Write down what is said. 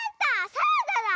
サラダだ！